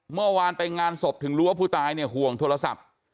เมื่อวานไปงานศพถึงรู้ว่าผู้ตายเนี่ยห่วงโทรศัพท์